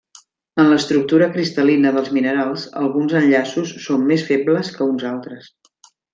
En l'estructura cristal·lina dels minerals alguns enllaços són més febles que uns altres.